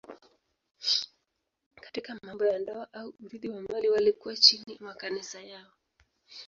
Katika mambo ya ndoa au urithi wa mali walikuwa chini ya makanisa yao.